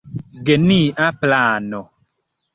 Genia plano.